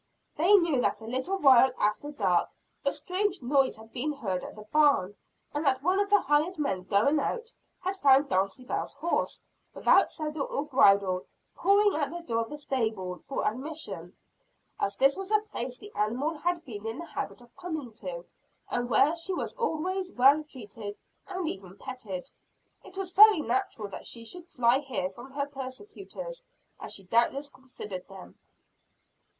They knew that a little while after dark, a strange noise had been heard at the barn, and that one of the hired men going out, had found Dulcibel's horse, without saddle or bridle, pawing at the door of the stable for admission. As this was a place the animal had been in the habit of coming to, and where she was always well treated and even petted, it was very natural that she should fly here from her persecutors, as she doubtless considered them.